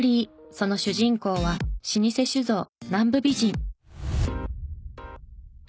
その主人公は老舗酒造南部美人。